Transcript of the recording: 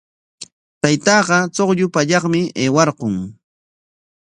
Taytaaqa chuqllu pallaqmi aywarqun.